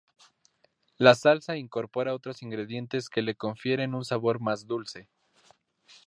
La salsa incorpora otros ingredientes que le confieren un sabor más dulce.